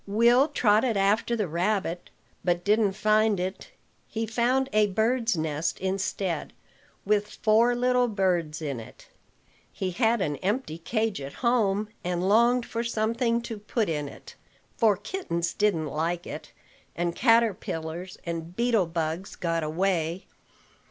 Will trotted after the rabbit, but didn't find it; he found a bird's nest instead with four little birds in it. He had an empty cage at home, and longed for something to put in it; for kittens didn't like it, and caterpillars and beetlebugs got away.